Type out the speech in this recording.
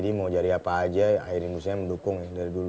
kebahagiaan aja air indusnya mendukung dari dulu